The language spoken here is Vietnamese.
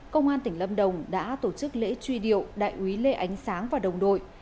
công an tỉnh lâm đồng đã tổ chức lễ truy điệu đại úy lê ánh sáng và đồng đội